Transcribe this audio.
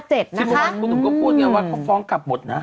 ที่ส่วนคุณก็พูดอย่างนี้ว่าเขาฟ้องกลับหมดนะ